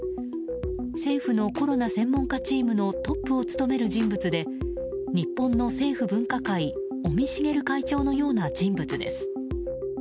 政府のコロナ専門家チームのトップを務める人物で日本の政府分科会尾身茂会長のような人物です。